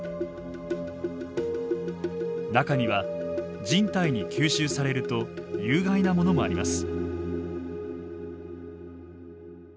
中には人体に吸収されると有害なものもあります。